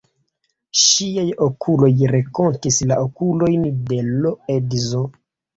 Ŝiaj okuloj renkontis la okulojn de l' edzo.